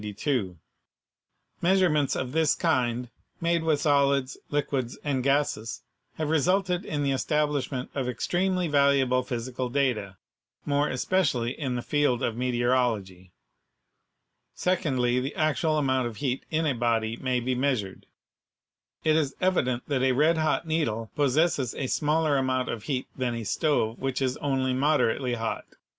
Measurements of this kind made with solids, liquids and gases have resulted in the establishment of extremely valuable physical data, more especially in the field of meteorology. Secondly, the actual amount of HEAT 53 heat in a body may be measured. It is evident that a red hot needle possesses a smaller amount of heat than a stove which is only moderately hot.